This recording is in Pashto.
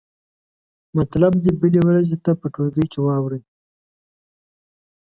مطلب دې بلې ورځې ته په ټولګي کې واورئ.